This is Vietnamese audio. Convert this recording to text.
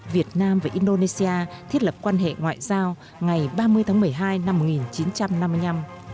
việt nam và indonesia thiết lập quan hệ ngoại giao ngày ba mươi tháng một mươi hai năm một nghìn chín trăm năm mươi năm